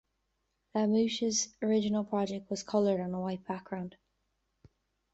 Lamouche's original project was coloured on a white background.